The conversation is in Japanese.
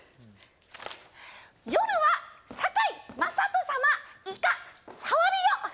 「よるはさかいまさとさまいかさわるよ」